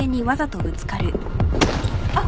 あっ。